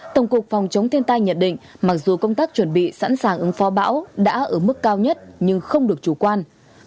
tổng cục phòng chống thiên tai nhận định mặc dù công tác chuẩn bị sẵn sàng ứng phó bão đã ở mức cao nhất nhưng không được chủ quan